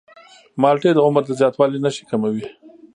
مالټې د عمر د زیاتوالي نښې کموي.